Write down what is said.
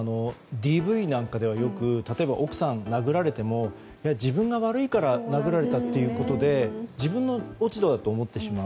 ＤＶなんかでは例えば奥さんが殴られても自分が悪いから殴られたっていうことで自分の落ち度だと思ってしまう。